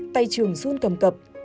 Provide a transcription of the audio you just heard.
tay trường run cầm cập